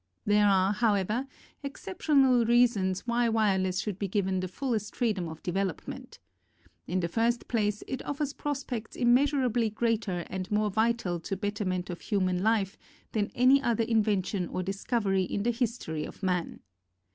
There are, however, exceptional reasons why wire less should be given the fullest freedom of development. In the first place it offers pros pects immeasurably greater and more vital to betterment of human life than any other invention or discovery in the history of man.